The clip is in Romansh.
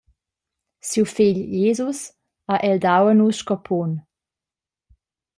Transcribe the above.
Siu fegl Jesus ha el dau a nus sco punt.